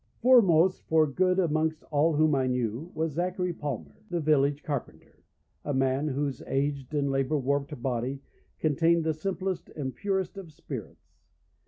Foremost for good amongst all whom I knew was Zachary Palmer, the village carpenter, a man whose aged and labour warped body contained the simplest and purest of spirits.